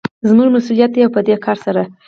زموږ مسوليت دى او په دې کار سره